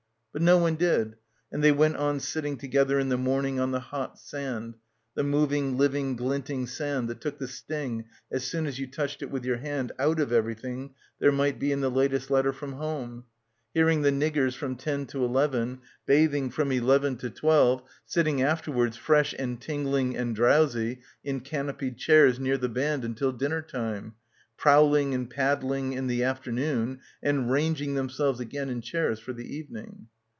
But no one did and they went on sitting together in the morning on the hot sand — the moving living glinting sand that took the sting as soon as you touched it with your hand out of everything there might be in the latest letter from home — hearing the niggers from ten to eleven, bathing from eleven to twelve, sitting afterwards fresh and tingling and drowsy in canopied chairs near the band until dinner time, prowling and paddling in the afternoon and ranging themselves again in chairs for the evening.